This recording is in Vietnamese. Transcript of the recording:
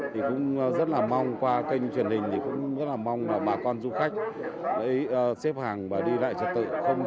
thì cũng rất là mong qua kênh truyền hình thì cũng rất là mong là bà con du khách xếp hàng và đi lại trật tự